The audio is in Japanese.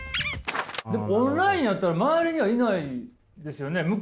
オンラインやったら周りにはいないですよね？